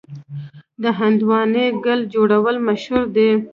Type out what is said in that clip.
د هندواڼې ګل جوړول مشهور دي.